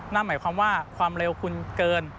นั่นหมายความว่าความเร็วคุณเกิน